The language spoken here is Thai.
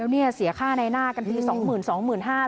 แล้วเนี่ยเสียค่าในหน้ากันที๒๒๕๐๐บาท